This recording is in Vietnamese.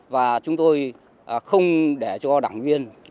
và chúng tôi không để cho đảng viên